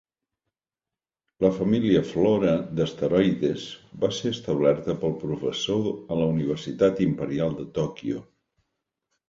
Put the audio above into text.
La família Flora d'asteroides va ser establerta pel professor a la Universitat Imperial de Tòquio.